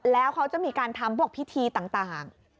แล้วเขาจะมีการทำพวกพิธีต่าง